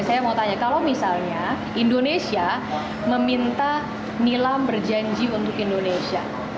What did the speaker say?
saya mau tanya kalau misalnya indonesia meminta nilam berjanji untuk berpengalaman dengan indonesia bagaimana itu